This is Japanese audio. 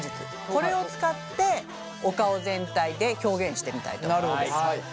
これを使ってお顔全体で表現してみたいと思います。